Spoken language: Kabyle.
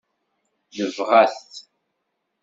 Nebɣa-t.